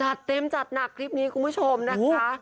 จัดเต็มจัดหนักคลิปนี้คุณผู้ชมนะคะ